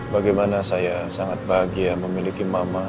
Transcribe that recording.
bagaimana saya sangat bahagia memiliki mama